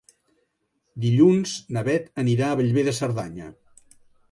Dilluns na Beth anirà a Bellver de Cerdanya.